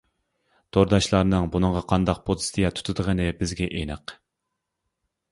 تورداشلارنىڭ بۇنىڭغا قانداق پوزىتسىيە تۇتىدىغىنى بىزگە ئېنىق.